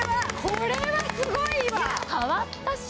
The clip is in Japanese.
これはすごいわ！